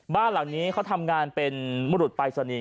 บ้านหลังนี้เขาทำงานเป็นมรุษปรายศนีย์